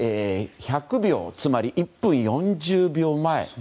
１００秒、つまり１分４０秒前。